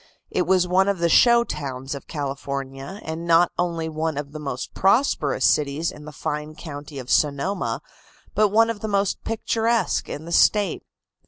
It was one of the show towns of California, and not only one of the most prosperous cities in the fine county of Sonoma, but one of the most picturesque in the State.